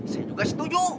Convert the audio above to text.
saya juga setuju